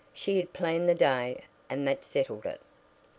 She had "planned the day," and that settled it.